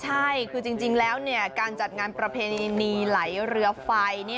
ใช่คือจริงแล้วการจัดงานประเพณีนีไหลเรือไฟ